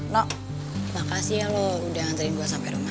no makasih ya lu udah anterin gue sampe rumah